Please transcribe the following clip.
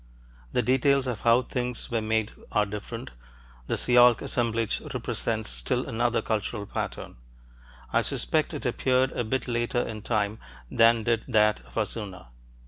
The details of how things were made are different; the Sialk assemblage represents still another cultural pattern. I suspect it appeared a bit later in time than did that of Hassuna.